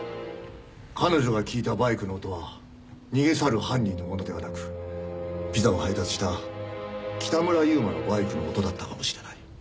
彼女が聞いたバイクの音は逃げ去る犯人のものではなくピザを配達した北村悠馬のバイクの音だったかもしれない。